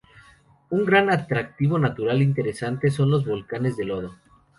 Un gran atractivo natural interesante son los volcanes de lodo.